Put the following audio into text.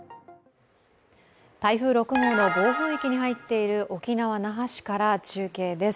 台風６号の暴風域に入っている沖縄・那覇市から中継です。